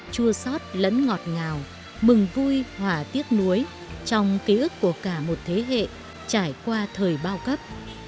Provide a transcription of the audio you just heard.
chua sót lẫn ngọt ngào mừng vui hỏa tiếc nuối trong ký ức của cả một thế hệ trải qua thời bao cấp